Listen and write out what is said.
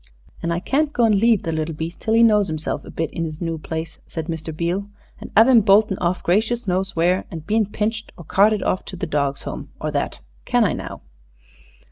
"An' I can't go and leave the little beast till he knows 'imself a bit in 'is noo place," said Mr. Beale, "an' 'ave 'im boltin' off gracious knows where, and being pinched or carted off to the Dogs' Home, or that. Can I, now?"